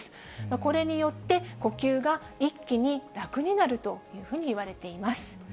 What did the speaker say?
これによって、呼吸が一気に楽になるというふうにいわれています。